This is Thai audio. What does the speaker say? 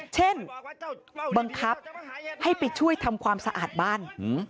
เช่นบังคับให้ไปช่วยทำความสะอาดบ้าน